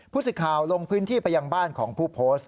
สิทธิ์ข่าวลงพื้นที่ไปยังบ้านของผู้โพสต์